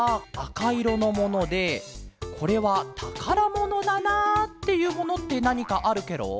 かいろのものでこれはたからものだなっていうものってなにかあるケロ？